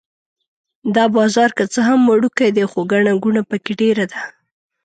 دا بازار که څه هم وړوکی دی خو ګڼه ګوڼه په کې ډېره ده.